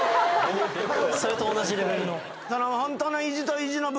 それと同じレベルの。